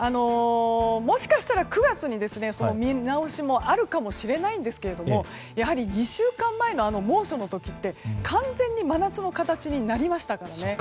もしかしたら９月に見直しもあるかもしれないんですがやはり２週間前のあの猛暑の時は完全に真夏の形になりましたから。